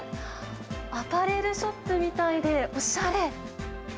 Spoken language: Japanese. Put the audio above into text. アパレルショップみたいで、おしゃれ。